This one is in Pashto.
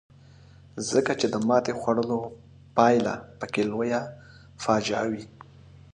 ځکه چې د ماتې خوړلو پایله پکې لویه فاجعه وي.